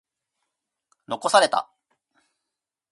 残された。